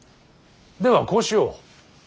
ではこうしよう。